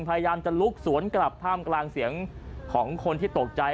พยายามจะลุกสวนกลับท่ามกลางเสียงของคนที่ตกใจ